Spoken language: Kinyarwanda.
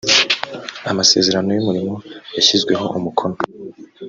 amasezerano y umurimo yashyizweho umukono